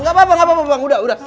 gak apa apa udah udah